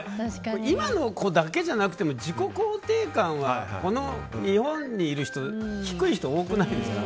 今の子だけじゃなくても自己肯定感はこの日本にいる人低い人多くないですか。